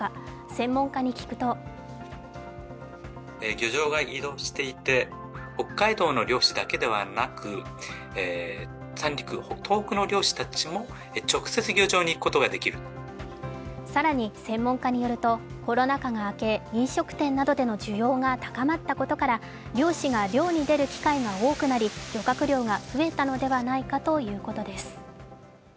専門家に聞くと更に、専門家によるとコロナ禍が明け、飲食店などでの需要が高まったことから漁師が漁に出る機会が多くなり、漁獲量が増えたのではないかということです。